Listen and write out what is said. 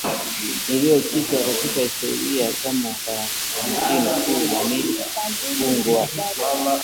iliyokita katika historia kama Karantini Kuu, na miji kufungwa.